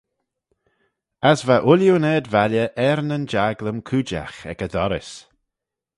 As va ooilley yn ard-valley er nyn jaglym cooidjagh ec y dorrys.